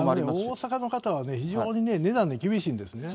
大阪の方は、非常にね、値段に厳しいんですね。